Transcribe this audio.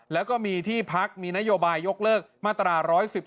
แล้วก็มีที่พักมีนโยบายยกเลิกมาตรา๑๑๒